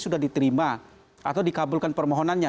sudah diterima atau dikabulkan permohonannya